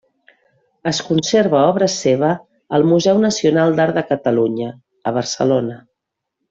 Es conserva obra seva al Museu Nacional d'Art de Catalunya, a Barcelona.